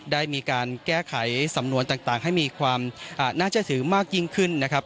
ได้มีการแก้ไขสำนวนต่างให้มีความน่าเชื่อถือมากยิ่งขึ้นนะครับ